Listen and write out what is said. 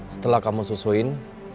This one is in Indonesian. setelah kamu susuin